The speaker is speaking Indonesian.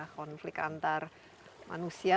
konflik antar manusia